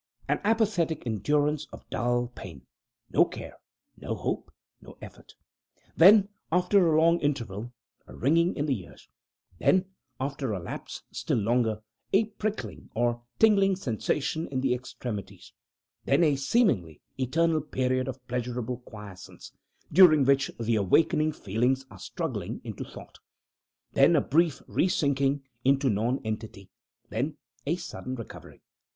An apathetic endurance of dull pain. No care no hope no effort. Then, after a long interval, a ringing in the ears; then, after a lapse still longer, a prickling or tingling sensation in the extremities; then a seemingly eternal period of pleasurable quiescence, during which the awakening feelings are struggling into thought; then a brief re sinking into non entity; then a sudden recovery.